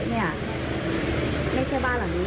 สาเหตุอ่านมานะคะประมาณว่า